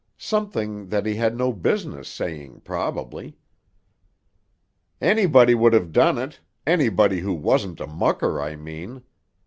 Something that he had no business saying, probably. "Anybody would have done it—anybody who wasn't a mucker, I mean.